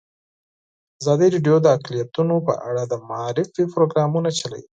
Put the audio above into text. ازادي راډیو د اقلیتونه په اړه د معارفې پروګرامونه چلولي.